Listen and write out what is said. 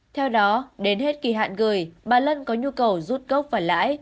theo đó đến hết kỳ hạn gửi bà lân có nhu cầu rút gốc và lãi